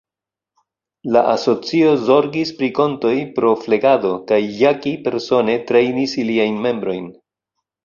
La asocio zorgis pri kontoj pro flegado kaj Jackie persone trejnis iliajn membrojn.